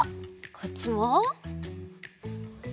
こっちも。